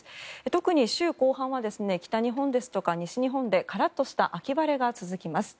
特に週後半は北日本ですとか西日本でカラッとした秋晴れが続きます。